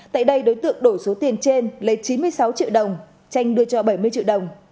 tại đây đối tượng đổi số tiền trên lên chín mươi sáu triệu đồng tranh đưa cho bảy mươi triệu đồng